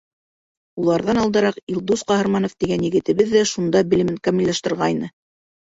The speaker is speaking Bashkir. Уларҙан алдараҡ Илдус Ҡаһарманов тигән егетебеҙ ҙә шунда белемен камиллаштырғайны.